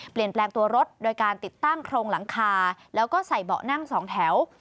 เปลี่ยนแปลงตัวรถโดยการติดตั้งโครงหลังคาแล้วก็ใส่เบาะนั่งสองแถว